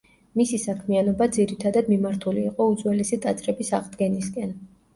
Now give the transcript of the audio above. მისი საქმიანობა ძირითად მიმართული იყო უძველესი ტაძრების აღდგენისკენ.